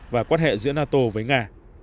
và quan hệ giữa nato với nga